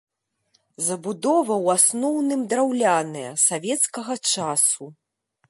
Забудова ў асноўным драўляная савецкага часу.